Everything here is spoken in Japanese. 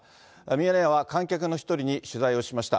ミヤネ屋は観客の１人に取材をしました。